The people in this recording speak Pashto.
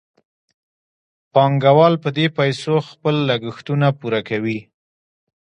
پانګوال په دې پیسو خپل لګښتونه پوره کوي